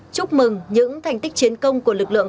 chúc mừng những thành tích chiến công của lực lượng